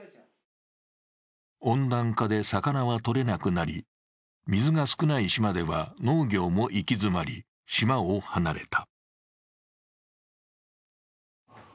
温暖化で魚はとれなくなり水が少ない島では、農業も行き詰まり、島を離れた。